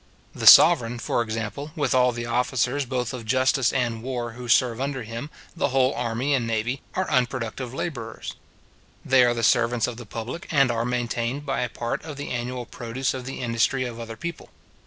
The sovereign, for example, with all the officers both of justice and war who serve under him, the whole army and navy, are unproductive labourers. They are the servants of the public, and are maintained by a part of the annual produce of the industry of other people.